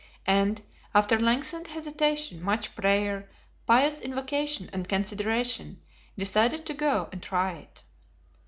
And, after lengthened hesitation, much prayer, pious invocation, and consideration, decided to go and try it.